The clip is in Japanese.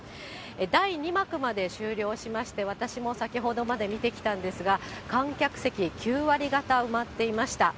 第２幕まで終了しまして、私も先ほどまで見てきたんですが、観客席、９割がた埋まっていました。